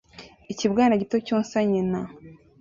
Ikibwana gito cyonsa nyina